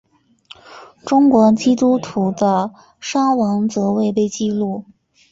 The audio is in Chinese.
中国基督徒的伤亡则未被记录。